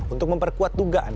untuk memperkuat dugaan